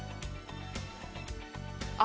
あ！